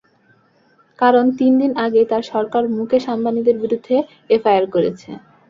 কারণ, তিন দিন আগে তাঁর সরকার মুকেশ আম্বানিদের বিরুদ্ধে এফআইআর করেছে।